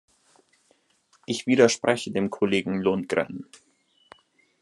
Ich widerspreche dem Kollegen Lundgren.